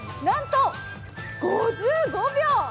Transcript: なんと５５秒。